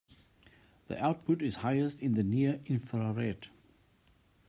The output is highest in the near infrared.